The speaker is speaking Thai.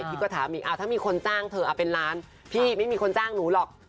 พี่ก็ถามอีกถ้ามีคนจ้างเธอเป็นล้านพี่ไม่มีคนจ้างหนูหรอก